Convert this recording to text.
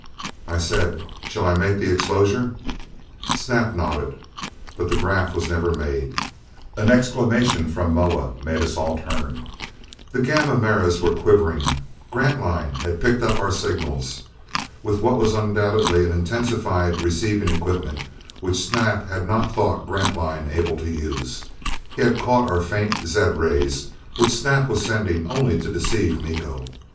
I said, "Shall I make the exposure?" Snap nodded. But that 'graph was never made. An exclamation from Moa made us all turn. The gamma mirrors were quivering! Grantline had picked our signals! With what was undoubtedly an intensified receiving equipment which Snap had not thought Grantline able to use, he had caught our faint zed rays, which Snap was sending only to deceive Miko.